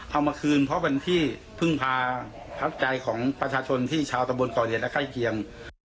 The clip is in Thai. เอามาคืนเพราะเป็นที่พึ่งพาพักใจของประชาชนที่ชาวตะบนก่อเหตุและใกล้เคียง